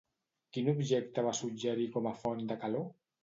Quin objecte va suggerir com a font de calor?